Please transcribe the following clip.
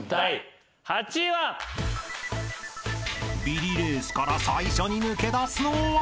［ビリレースから最初に抜け出すのは？］